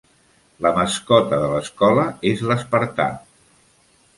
La mascota de l'escola és l'espartà.